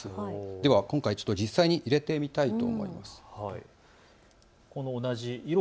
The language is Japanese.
では今回、実際に入れてみたいと思います。